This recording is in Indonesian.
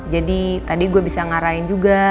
jadi tadi gue bisa ngarain juga